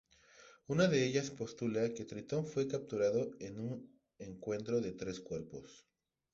Una de ellas postula que Tritón fue capturado en un encuentro de tres cuerpos.